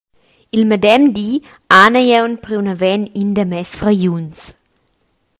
Il medem di han ei aunc priu naven in da mes fargliuns.